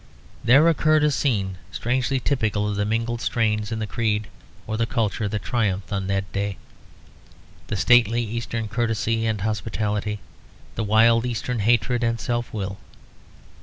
There occurred a scene strangely typical of the mingled strains in the creed or the culture that triumphed on that day; the stately Eastern courtesy and hospitality; the wild Eastern hatred and self will.